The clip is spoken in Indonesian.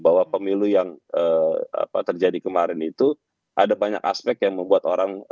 bahwa pemilu yang terjadi kemarin itu ada banyak aspek yang membuat orang